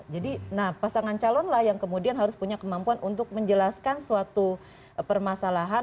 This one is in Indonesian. jadi nah pasangan calon lah yang kemudian harus punya kemampuan untuk menjelaskan suatu permasalahan